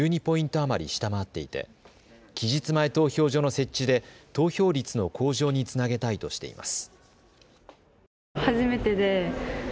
余り下回っていて期日前投票所の設置で投票率の向上につなげたいとしています。